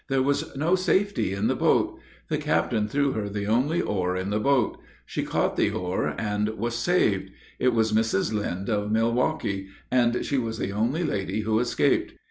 There was no safety in the boat. The captain threw her the only oar in the boat. She caught the oar and was saved. It was Mrs. Lynde of Milwaukie, and she was the only lady who escaped.